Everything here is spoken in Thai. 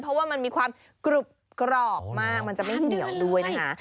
เพราะว่ามันมีความกรุบกรอบมากมันจะไม่เหนียวด้วยนะคะ